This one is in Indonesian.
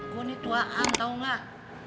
gue nih tuaan tau gak